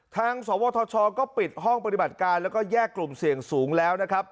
สวทชก็ปิดห้องปฏิบัติการแล้วก็แยกกลุ่มเสี่ยงสูงแล้วนะครับ